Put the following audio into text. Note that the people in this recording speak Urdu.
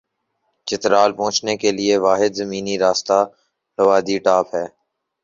چترال پہنچنے کے لئے واحد زمینی راستہ لواری ٹاپ ہے ۔